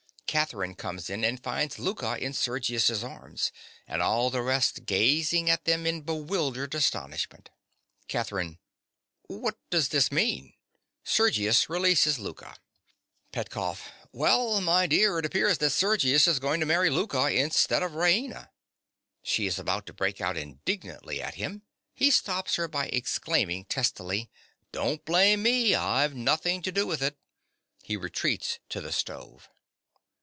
_) (Catherine comes in and finds Louka in Sergius's arms, and all the rest gazing at them in bewildered astonishment.) CATHERINE. What does this mean? (Sergius releases Louka.) PETKOFF. Well, my dear, it appears that Sergius is going to marry Louka instead of Raina. (She is about to break out indignantly at him: he stops her by exclaiming testily.) Don't blame me: I've nothing to do with it. (_He retreats to the stove.